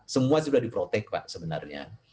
semua sudah di protect pak sebenarnya